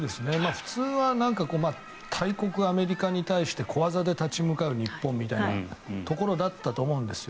普通は大国アメリカに対して小技で立ち向かう日本みたいなところだったと思うんですよ。